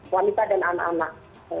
wanita dan anak anak